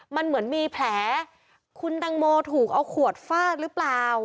มันเหมือนมีแผลคุณตังโมถูกเอาขวดฟาดหรือเปล่า